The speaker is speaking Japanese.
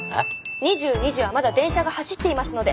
２２時はまだ電車が走っていますので。